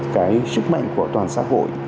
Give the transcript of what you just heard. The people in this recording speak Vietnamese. cái sức mạnh của toàn xã hội